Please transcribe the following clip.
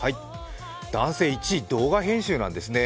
男性１位、動画編集なんですね。